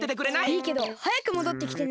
いいけどはやくもどってきてね。